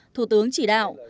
thủ tướng chỉ đạo